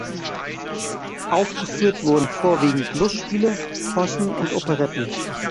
Aufgeführt wurden vorwiegend Lustspiele, Possen und Operetten.